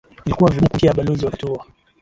Ilikuwa vigumu kumbishia balozi wakati huo